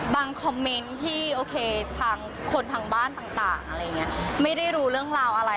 คอมเมนต์ที่โอเคทางคนทางบ้านต่างอะไรอย่างนี้ไม่ได้รู้เรื่องราวอะไร